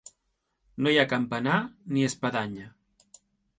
No hi ha campanar ni espadanya.